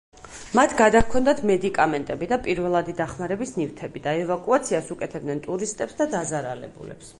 მათ გადაჰქონდათ მედიკამენტები და პირველადი დახმარების ნივთები და ევაკუაციას უკეთებდნენ ტურისტებს და დაზარალებულებს.